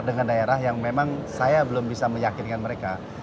dengan daerah yang memang saya belum bisa meyakinkan mereka